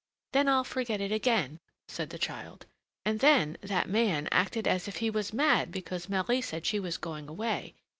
"Then I'll forget it again," said the child. "And then that man acted as if he was mad because Marie said she was going away.